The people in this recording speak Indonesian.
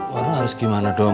walaupun harus gimana dong